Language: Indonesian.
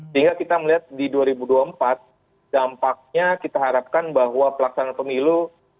sehingga kita melihat di dua ribu dua puluh empat dampaknya kita harapkan bahwa pelaksanaan pemilu